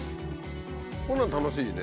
こんなの楽しいね。